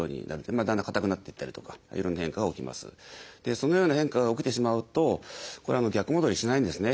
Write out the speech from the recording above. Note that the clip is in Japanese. そのような変化が起きてしまうとこれは逆戻りしないんですね。